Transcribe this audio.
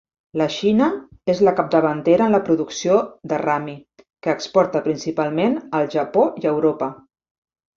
La Xina és la capdavantera en la producció de rami, que exporta principalment al Japó i a Europa.